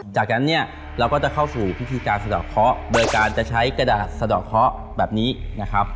จากนั้นเนี่ยเราก็จะเข้าสู่พิธีการสะดอกเคาะโดยการจะใช้กระดาษสะดอกเคาะแบบนี้นะครับ